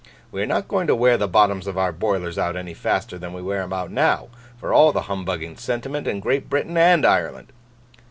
We are not going to wear the bottoms of our boilers out any faster than we wear 'em out now, for all the humbugging sentiment in Great Britain and Ireland.